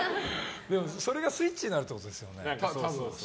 それがスイッチになるってことですよね。